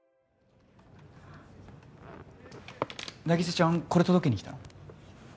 凪沙ちゃんこれ届けに来たの？